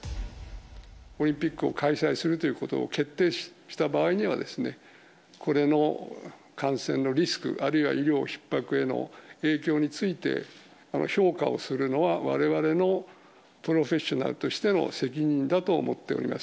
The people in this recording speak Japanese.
オリンピックを開催するということを決定した場合にはですね、これの感染のリスク、あるいは医療ひっ迫への影響について、評価をするのは、われわれのプロフェッショナルとしての責任だと思っております。